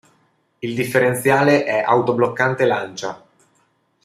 Il differenziale è autobloccante Lancia.